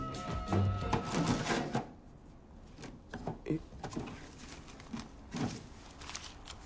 えっ？